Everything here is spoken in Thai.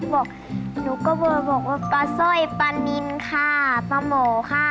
บอกหนูก็เบอร์บอกว่าปลาสร้อยปลานินค่ะปลาหมอค่ะ